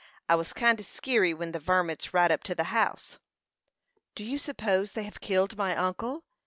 I was kind o' skeery when the varmints rid up to the house." "Do you suppose they have killed my uncle?"